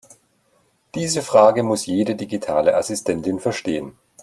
Diese Frage muss jede digitale Assistentin verstehen.